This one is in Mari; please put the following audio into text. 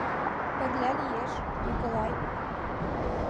Пырля лиеш, Николай.